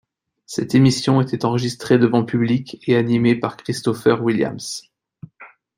Cette émission était enregistrée devant public et animée par Christopher Williams.